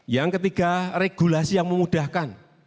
yang ketiga regulasi yang memudahkan